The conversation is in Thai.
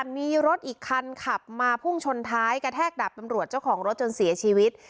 มีรถอีกคันขับมาพุ่งชนท้ายกระแทกดับตำรวจเจ้าของรถจนเสียชีวิต